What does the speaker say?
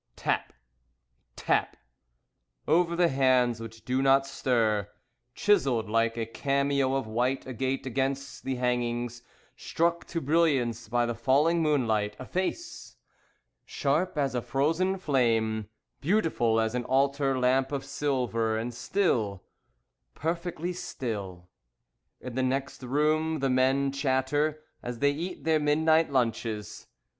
Tap! Tap! Over the hands which do not stir. Chiselled like a cameo of white agate against the hangings, Struck to brilliance by the falling moonlight, A face! Sharp as a frozen flame, Beautiful as an altar lamp of silver, And still. Perfectly still. In the next room, the men chatter As they eat their midnight lunches.